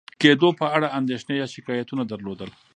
کېدو په اړه اندېښنې یا شکایتونه درلودل،